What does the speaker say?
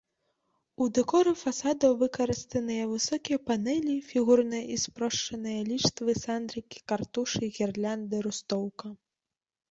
У дэкоры фасадаў выкарыстаныя высокія панэлі, фігурныя і спрошчаныя ліштвы, сандрыкі, картушы, гірлянды, рустоўка.